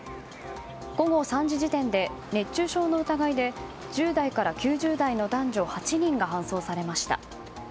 午後３時時点で熱中症の疑いで１０代から９０代の男女８人が搬送されました。